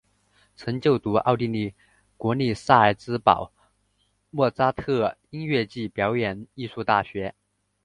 曾就读奥地利国立萨尔兹堡莫札特音乐暨表演艺术大学。